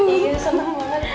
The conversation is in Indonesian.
iya seneng banget